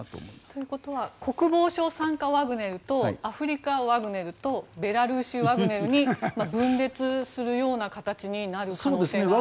というと国防省傘下ワグネルとアフリカワグネルとベラルーシワグネルに分裂するような可能性があるのでしょうか。